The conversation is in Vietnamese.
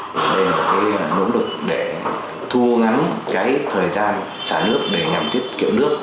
đây là một nỗ lực để thu ngắn thời gian xả nước để nhằm tiết kiệm nước